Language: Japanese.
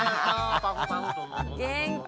元気。